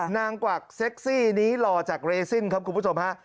กวักเซ็กซี่นี้หล่อจากเรซินครับคุณผู้ชมฮะ